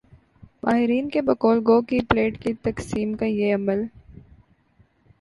ماہرین کی بقول گو کہ پلیٹ کی تقسیم کا یہ عمل کئی